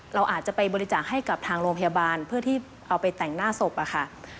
เราอาจจะไปบริจาคให้กับทางโรงพยาบาลเพื่อที่เอาไปแต่งหน้าศพอะค่ะ